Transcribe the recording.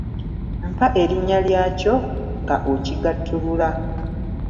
Mpa erinnya lyakyo nga okigattulula.